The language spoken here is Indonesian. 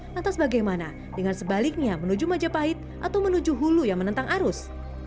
lantas bagaimana dengan sebaliknya menuju majapahit atau menuju hulu yang menentang arus